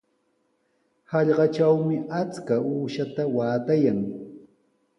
Hallqatrawmi achka uushaata waatayan.